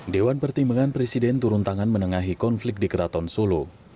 dewan pertimbangan presiden turun tangan menengahi konflik di keraton solo